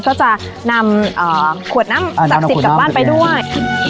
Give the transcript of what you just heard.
ก็จะนำขวดน้ำศักดิ์สิทธิ์กลับบ้านไปด้วย